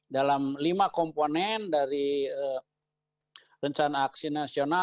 dalam lima komponen dari rencana aksi nasional